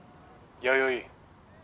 弥生。